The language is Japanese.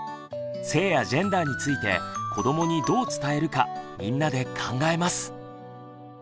性やジェンダーについて子どもにどう伝えるかみんなで考えます。